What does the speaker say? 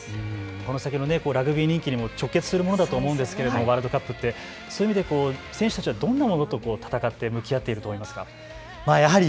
この先のラグビー人気にも直結するものだと思うんですが、そういう意味で選手たちはどんなものと戦って向き合っていると思いますか。